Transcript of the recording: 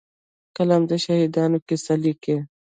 قلم د شهیدانو کیسې لیکي